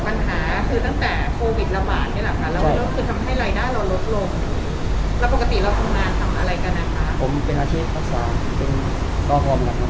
อ๋อคุณคิดถึงแล้วว่าคุณเสียชีวิตแฟนก็อยู่เป็นรอบรรพร้อมเหมือนกัน